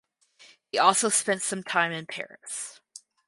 He also spent some time in Paris.